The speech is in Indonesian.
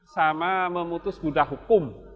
sama memutus buddha hukum